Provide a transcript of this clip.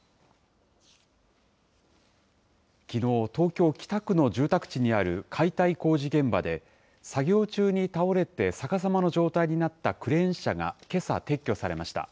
きのう、東京・北区の住宅地にある解体工事現場で、作業中に倒れて逆さまの状態になったクレーン車がけさ撤去されました。